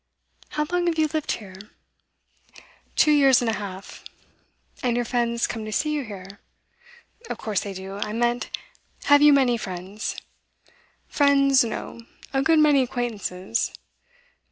How long have you lived here?' 'Two years and a half.' 'And your friends come to see you here? Of course they do. I meant, have you many friends?' 'Friends, no. A good many acquaintances.